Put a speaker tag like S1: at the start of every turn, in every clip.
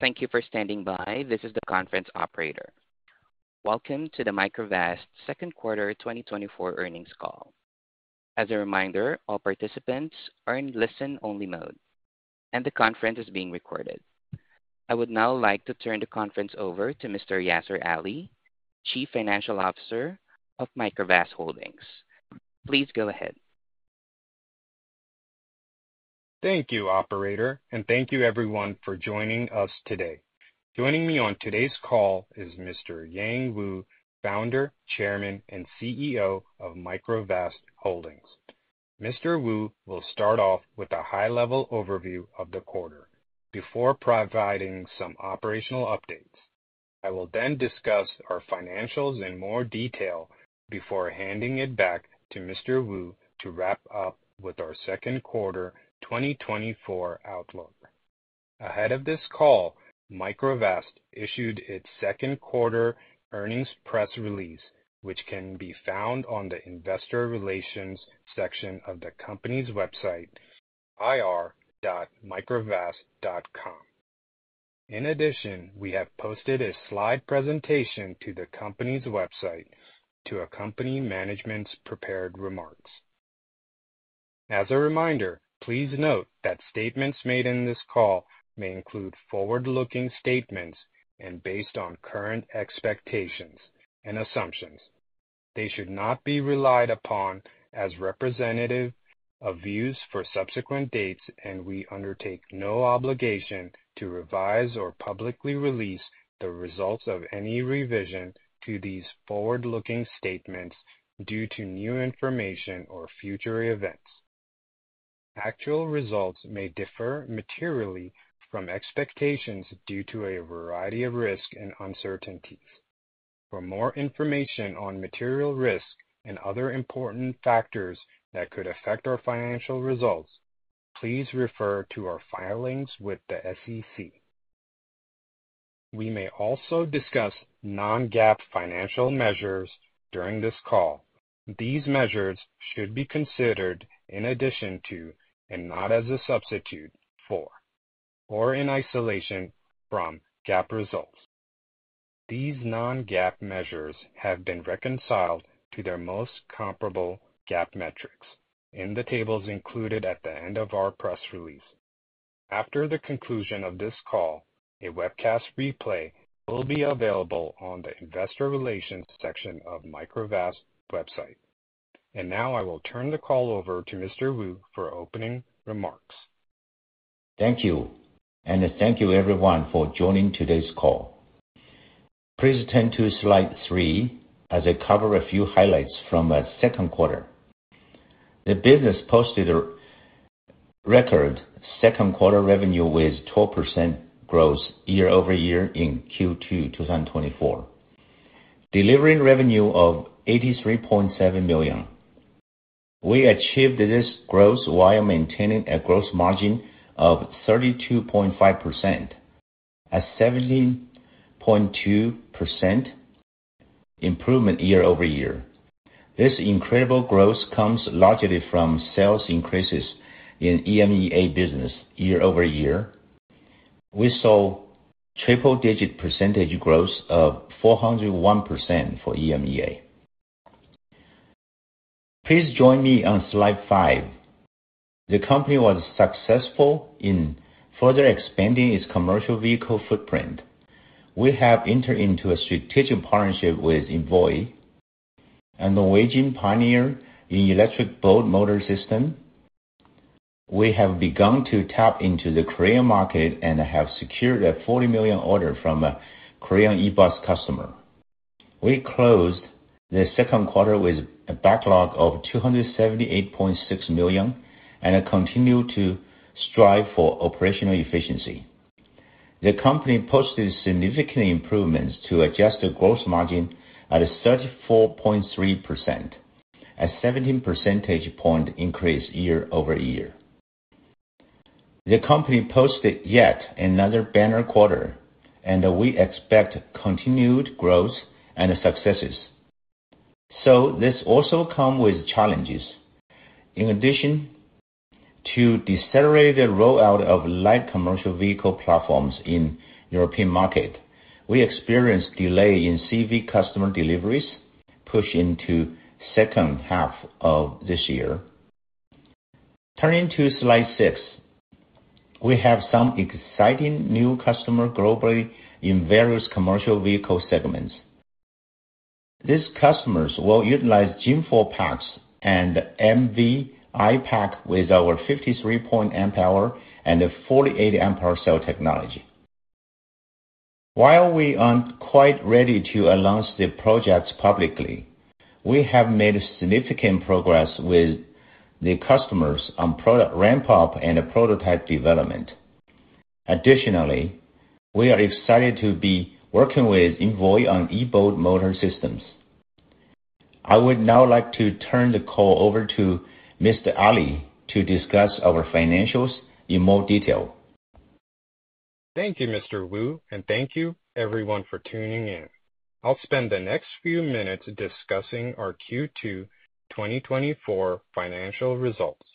S1: Thank you for standing by. This is the conference operator. Welcome to the Microvast Second Quarter 2024 Earnings Call. As a reminder, all participants are in listen-only mode, and the conference is being recorded. I would now like to turn the conference over to Mr. Yaser Ali, Chief Financial Officer of Microvast Holdings. Please go ahead.
S2: Thank you, operator, and thank you everyone for joining us today. Joining me on today's call is Mr. Yang Wu, Founder, Chairman, and CEO of Microvast Holdings. Mr. Wu will start off with a high-level overview of the quarter before providing some operational updates. I will then discuss our financials in more detail before handing it back to Mr. Wu to wrap up with our second quarter 2024 outlook. Ahead of this call, Microvast issued its second quarter earnings press release, which can be found on the Investor Relations section of the company's website, ir.microvast.com. In addition, we have posted a slide presentation to the company's website to accompany management's prepared remarks. As a reminder, please note that statements made in this call may include forward-looking statements and based on current expectations and assumptions. They should not be relied upon as representative of views for subsequent dates, and we undertake no obligation to revise or publicly release the results of any revision to these forward-looking statements due to new information or future events. Actual results may differ materially from expectations due to a variety of risks and uncertainties. For more information on material risks and other important factors that could affect our financial results, please refer to our filings with the SEC. We may also discuss non-GAAP financial measures during this call. These measures should be considered in addition to and not as a substitute for, or in isolation from, GAAP results. These non-GAAP measures have been reconciled to their most comparable GAAP metrics in the tables included at the end of our press release. After the conclusion of this call, a webcast replay will be available on the Investor Relations section of Microvast's website. Now I will turn the call over to Mr. Wu for opening remarks.
S3: Thank you, and thank you everyone for joining today's call. Please turn to Slide 3 as I cover a few highlights from our second quarter. The business posted a record second quarter revenue with 12% growth year-over-year in Q2 2024, delivering revenue of $83.7 million. We achieved this growth while maintaining a gross margin of 32.5%, a 17.2% improvement year-over-year. This incredible growth comes largely from sales increases in EMEA business year-over-year. We saw triple-digit percentage growth of 401% for EMEA. Please join me on Slide 5. The company was successful in further expanding its commercial vehicle footprint. We have entered into a strategic partnership with Evoy, a Norwegian pioneer in electric boat motor system. We have begun to tap into the Korean market and have secured a $40 million order from a Korean e-bus customer. We closed the second quarter with a backlog of $278.6 million and continue to strive for operational efficiency. The company posted significant improvements to adjusted gross margin at 34.3%, a 17 percentage point increase year-over-year. The company posted yet another banner quarter, and we expect continued growth and successes. So this also come with challenges. In addition to decelerated rollout of light commercial vehicle platforms in European market, we experienced delay in CV customer deliveries, pushed into second half of this year. Turning to slide 6. We have some exciting new customer globally in various commercial vehicle segments. These customers will utilize Gen 4 packs and MV-I with our 53.5 Ah and 48 Ah cell technology. While we aren't quite ready to announce the projects publicly, we have made significant progress with the customers on product ramp-up and prototype development. Additionally, we are excited to be working with Evoy on e-boat motor systems. I would now like to turn the call over to Mr. Ali to discuss our financials in more detail.
S2: Thank you, Mr. Wu, and thank you everyone for tuning in. I'll spend the next few minutes discussing our Q2 2024 financial results.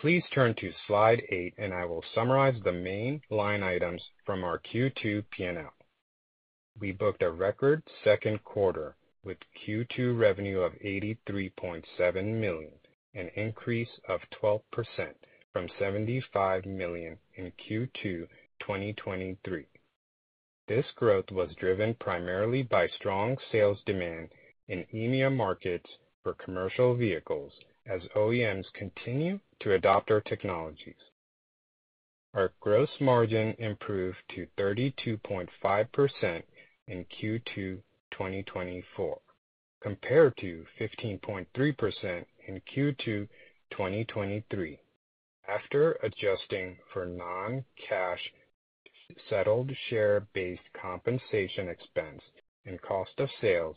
S2: Please turn to slide 8, and I will summarize the main line items from our Q2 P&L. We booked a record second quarter with Q2 revenue of $83.7 million, an increase of 12% from $75 million in Q2 2023. This growth was driven primarily by strong sales demand in EMEA markets for commercial vehicles as OEMs continue to adopt our technologies. Our gross margin improved to 32.5% in Q2 2024, compared to 15.3% in Q2 2023. After adjusting for non-cash settled share-based compensation expense and cost of sales,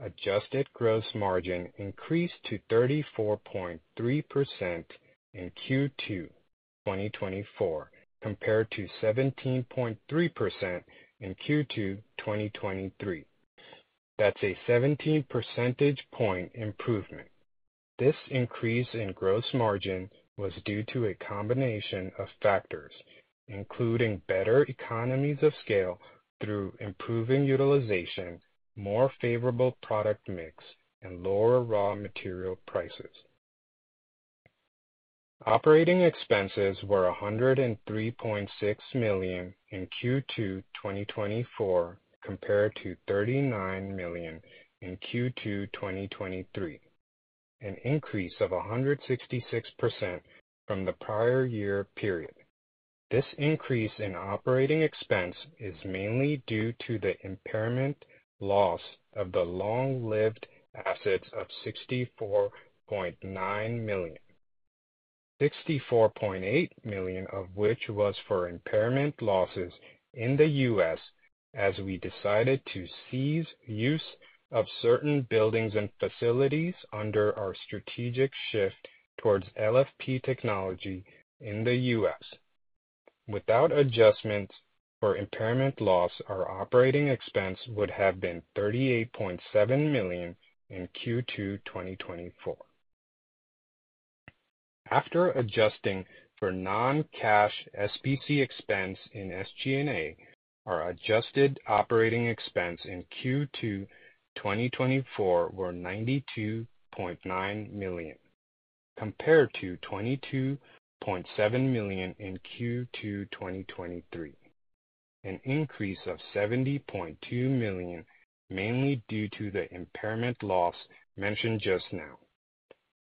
S2: adjusted gross margin increased to 34.3% in Q2 2024, compared to 17.3% in Q2 2023. That's a 17 percentage point improvement. This increase in gross margin was due to a combination of factors, including better economies of scale through improving utilization, more favorable product mix, and lower raw material prices. Operating expenses were $103.6 million in Q2 2024, compared to $39 million in Q2 2023, an increase of 166% from the prior year period. This increase in operating expense is mainly due to the impairment loss of the long-lived assets of $64.9 million. $64.8 million of which was for impairment losses in the U.S., as we decided to cease use of certain buildings and facilities under our strategic shift towards LFP technology in the U.S. Without adjustments for impairment loss, our operating expense would have been $38.7 million in Q2 2024. After adjusting for non-cash SBC expense in SG&A, our adjusted operating expense in Q2, 2024, was $92.9 million, compared to $22.7 million in Q2, 2023, an increase of $70.2 million, mainly due to the impairment loss mentioned just now.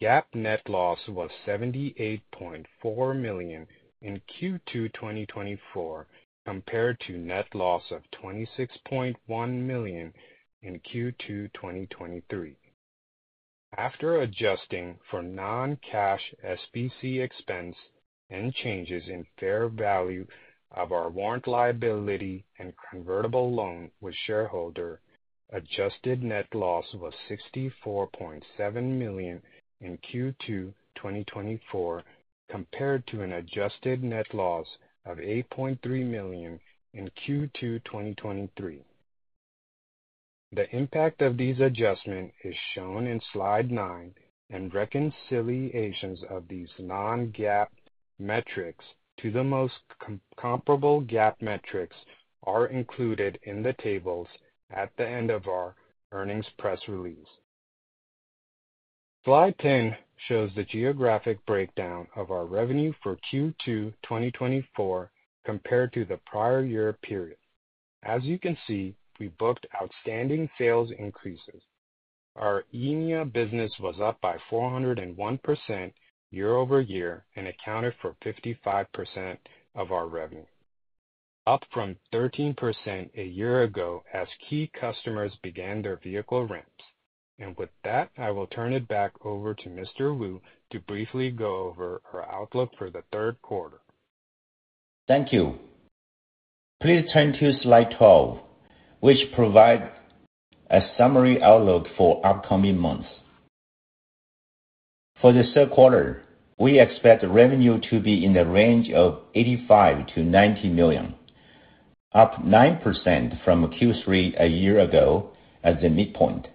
S2: GAAP net loss was $78.4 million in Q2, 2024, compared to net loss of $26.1 million in Q2, 2023. After adjusting for non-cash SBC expense and changes in fair value of our warrant liability and convertible loan with shareholder, adjusted net loss was $64.7 million in Q2, 2024, compared to an adjusted net loss of $8.3 million in Q2, 2023. The impact of these adjustment is shown in slide 9, and reconciliations of these non-GAAP metrics to the most comparable GAAP metrics are included in the tables at the end of our earnings press release. Slide 10 shows the geographic breakdown of our revenue for Q2 2024, compared to the prior year period. As you can see, we booked outstanding sales increases. Our EMEA business was up by 401% year-over-year and accounted for 55% of our revenue, up from 13% a year ago as key customers began their vehicle ramps. With that, I will turn it back over to Mr. Wu to briefly go over our outlook for the third quarter.
S3: Thank you. Please turn to Slide 12, which provide a summary outlook for upcoming months. For the third quarter, we expect the revenue to be in the range of $85 million-$90 million, up 9% from Q3 a year ago at the midpoint.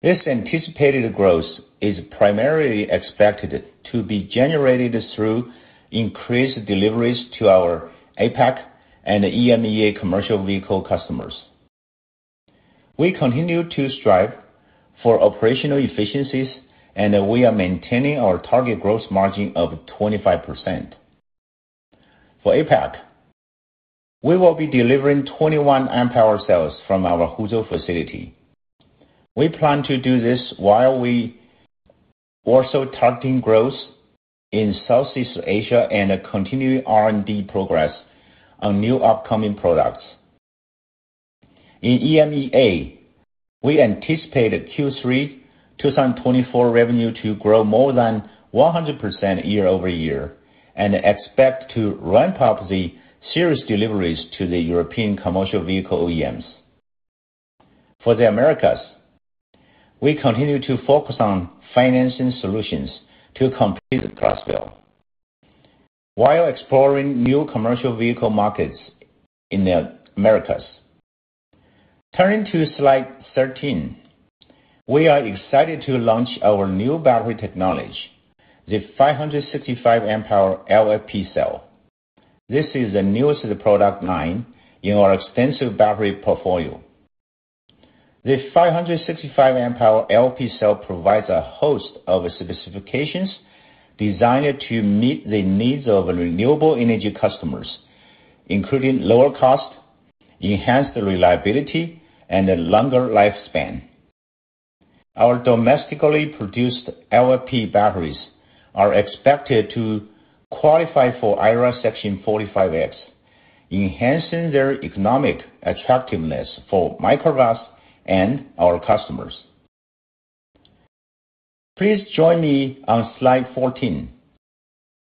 S3: This anticipated growth is primarily expected to be generated through increased deliveries to our APAC and EMEA commercial vehicle customers. We continue to strive for operational efficiencies, and we are maintaining our target growth margin of 25%. For APAC, we will be delivering 21 amp hour cells from our Huzhou facility. We plan to do this while we also targeting growth in Southeast Asia and a continuing R&D progress on new upcoming products. In EMEA, we anticipate Q3 2024 revenue to grow more than 100% year-over-year and expect to ramp up the series deliveries to the European commercial vehicle OEMs. For the Americas, we continue to focus on financing solutions to complete the Clarksville, while exploring new commercial vehicle markets in the Americas. Turning to Slide 13. We are excited to launch our new battery technology, the 565Ah LFP cell. This is the newest product line in our extensive battery portfolio. The 565Ah LFP cell provides a host of specifications designed to meet the needs of renewable energy customers, including lower cost, enhanced reliability, and a longer lifespan. Our domestically produced LFP batteries are expected to qualify for IRA Section 45X, enhancing their economic attractiveness for Microvast and our customers. Please join me on Slide 14,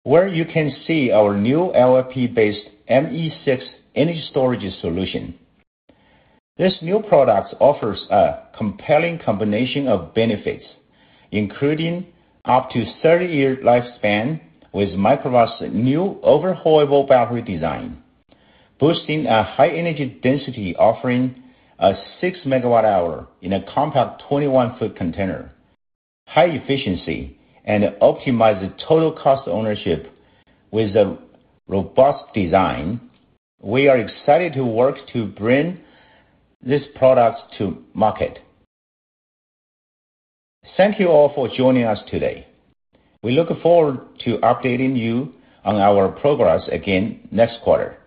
S3: where you can see our new LFP-based ME-6 energy storage solution. This new product offers a compelling combination of benefits, including up to 30-year lifespan with Microvast's new overhaulable battery design, boosting a high energy density, offering 6 MWh in a compact 21-foot container, high efficiency, and optimize the total cost of ownership with a robust design. We are excited to work to bring this product to market. Thank you all for joining us today. We look forward to updating you on our progress again next quarter.